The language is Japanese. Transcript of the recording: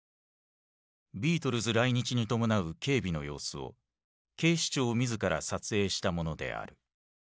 ビートルズ来日に伴う警備の様子を警視庁自ら撮影したものである。